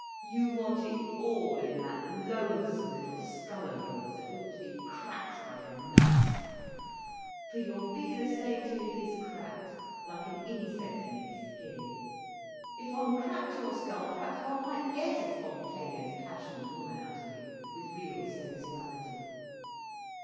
You want it all in that loathsome little skull of yours, that ought to be cracked like a nut. For you'll be the same till it is cracked, like an insect in its skin. If one cracked your skull perhaps one might get a spontaneous, passionate woman out of you, with real sensuality.